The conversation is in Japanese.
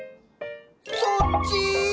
そっち？